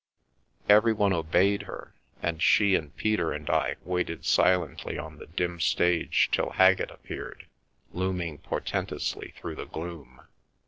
Everyone obeyed her, and she and Peter and I waited silently on the dim stage till Haggett appeared, looming portentously through the gloom.